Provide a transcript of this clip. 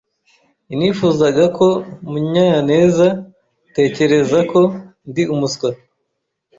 inifuzaga ko Munyanezatekereza ko ndi umuswa.